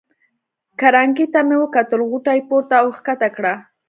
کرنکې ته مې کتل، غوټو یې پورته او کښته کېده.